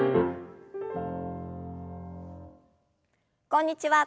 こんにちは。